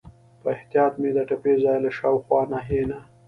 په احتیاط مې د ټپي ځای له شاوخوا ناحیې نه.